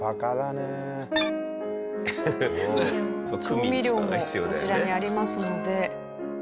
調味料もこちらにありますので。